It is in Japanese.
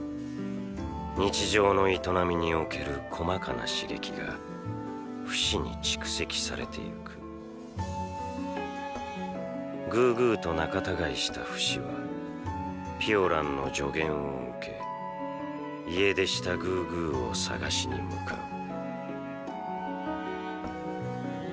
日常の営みにおける細かな刺激がフシに蓄積されていくグーグーと仲たがいしたフシはピオランの助言を受け家出したグーグーを捜しに向かう